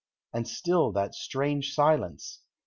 And still that strange silence.